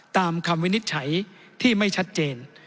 คำวินิจฉัยที่ไม่ชัดเจน